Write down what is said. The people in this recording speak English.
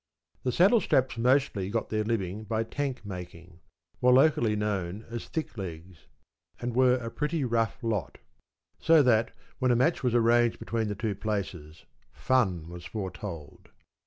The Saddlestraps mostly got their living by tankmaking, were locally known as ‘Thicklegs,’ and were a pretty rough lot. So that, when a match was arranged between the two places, fun was foretold.